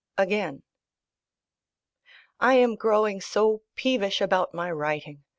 Again I am growing so peevish about my writing.